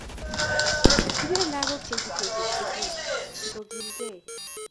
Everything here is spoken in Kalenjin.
Kipire lakok che iputos en sukul si kokil kee